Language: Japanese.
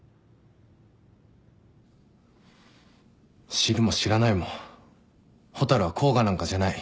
知るも知らないも蛍は甲賀なんかじゃない。